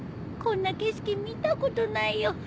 こんな景色見たことないよ